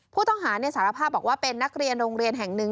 ผู้ต้องหาสารภาพบอกว่าเป็นนักเรียนโรงเรียนแห่งหนึ่ง